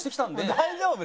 大丈夫ね？